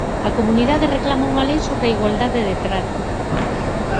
A comunidade reclama unha lei sobre a igualdade de trato.